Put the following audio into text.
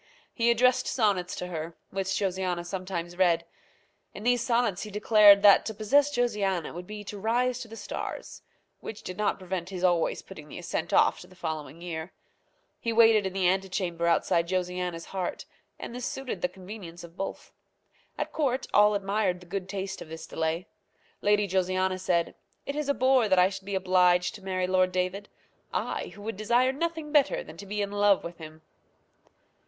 He addressed sonnets to her, which Josiana sometimes read. In these sonnets he declared that to possess Josiana would be to rise to the stars, which did not prevent his always putting the ascent off to the following year. He waited in the antechamber outside Josiana's heart; and this suited the convenience of both. At court all admired the good taste of this delay. Lady Josiana said, "It is a bore that I should be obliged to marry Lord David; I, who would desire nothing better than to be in love with him!"